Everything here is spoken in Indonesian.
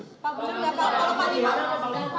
pak belum ada